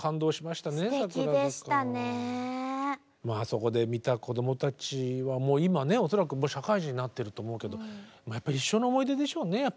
まああそこで見た子どもたちはもう今ね恐らく社会人になってると思うけどもう一生の思い出でしょうね